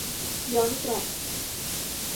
ย้อนกลับ